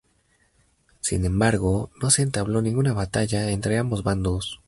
Sin embargo, no se entabló ninguna batalla entre ambos bandos.